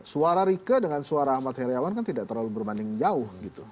suara rike dengan suara ahmad heriawan kan tidak terlalu berbanding jauh gitu